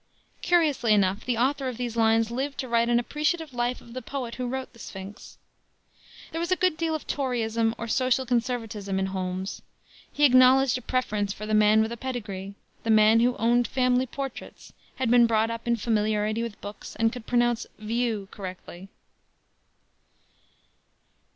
'" Curiously enough, the author of these lines lived to write an appreciative life of the poet who wrote the Sphinx. There was a good deal of toryism or social conservatism in Holmes. He acknowledged a preference for the man with a pedigree, the man who owned family portraits, had been brought up in familiarity with books, and could pronounce "view" correctly.